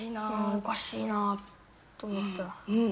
おかしいなと思った。